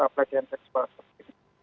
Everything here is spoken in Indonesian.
pelajaran seksual seperti itu